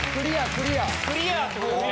クリアってことですね。